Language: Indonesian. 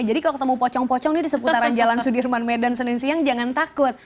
jadi kalau ketemu pocong pocong di seputaran jalan sudirman medan senin siang jangan takut